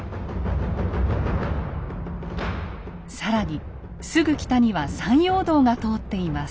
更にすぐ北には山陽道が通っています。